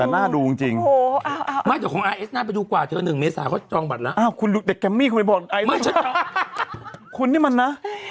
มีใช้ชอตขึ้นไปจัดวิทยุเรื่องรึทุกเมื่อแรก